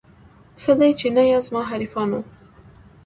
ښه دی چي نه یاست زما حریفانو